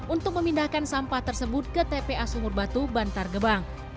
untuk memindahkan sampah tersebut ke tpa sumur batu bantar gebang